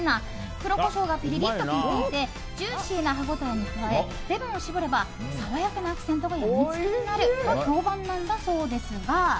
黒コショウがピリリと効いていてジューシーな歯ごたえに加えレモンを搾れば爽やかなアクセントがやみつきになると評判なんだそうです。